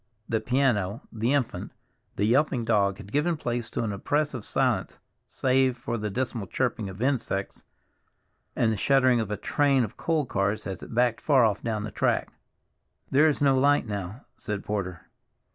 The piano, the infant, the yelping dog had given place to an oppressive silence save for the dismal chirping of insects and the shuddering of a train of coal cars as it backed far off down the track. "There is no light now," said Porter.